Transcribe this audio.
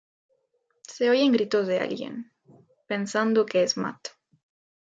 Se oyen gritos de alguien, pensando que es Matt.